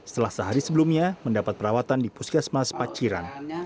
setelah sehari sebelumnya mendapat perawatan di puskesmas paciran